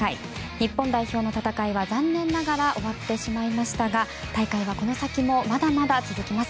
日本代表の戦いは残念ながら終わってしまいましたが大会はこの先もまだまだ続きます。